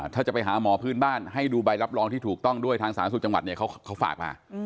ถ้าจะไปหาหมอพื้นบ้านให้ดูใบรับรองที่ถูกต้องด้วยทางสาธารณสุขจังหวัดเนี่ยเขาฝากมา